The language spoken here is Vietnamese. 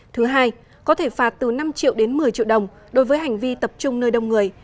thứ hai có thể phạt từ năm triệu đến một mươi triệu đồng đối với hành vi tập trung nơi đông người